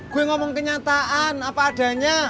gue ngomong kenyataan apa adanya